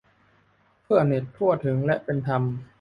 เพื่อเน็ตทั่วถึงและเป็นธรรม